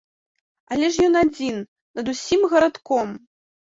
Але ж ён адзін над усім гарадком.